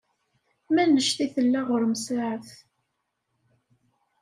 Mennect i tella ɣerem saɛet?